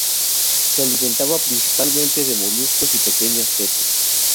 Se alimentaba principalmente de moluscos y pequeños peces.